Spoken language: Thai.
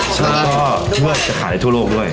แล้วก็คิดว่าจะขายได้ทั่วโลกด้วย